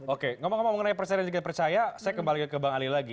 oke ngomong ngomong mengenai percaya dan juga percaya saya kembali ke bang ali lagi